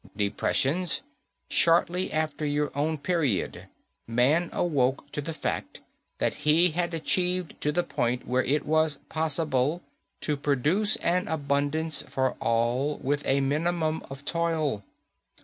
Depressions? Shortly after your own period, man awoke to the fact that he had achieved to the point where it was possible to produce an abundance for all with a minimum of toil.